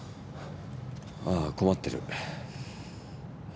ああ困ってる。